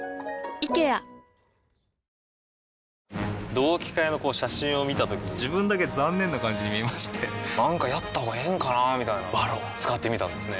同期会の写真を見たときに自分だけ残念な感じに見えましてなんかやったほうがええんかなーみたいな「ＶＡＲＯＮ」使ってみたんですね